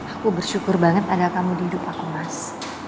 aku bersyukur banget ada kamu di hidup aku mas